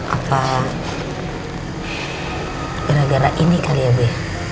apa gara gara ini kali ya bu